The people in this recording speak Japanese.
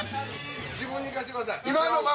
自分にいかせてください。